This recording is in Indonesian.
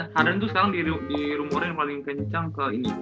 harden tuh sekarang di rumor yang paling kencang ke ini